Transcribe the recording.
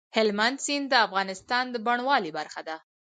هلمند سیند د افغانستان د بڼوالۍ برخه ده.